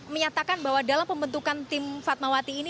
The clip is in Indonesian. menyatakan bahwa dalam pembentukan tim fatmawati ini